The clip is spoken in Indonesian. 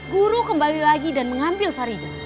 guru kembali lagi dan mengambil sarida